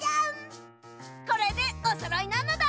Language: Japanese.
これでおそろいなのだ！